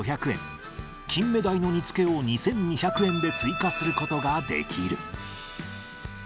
キンメダイの煮つけを２２００円で追加することができる。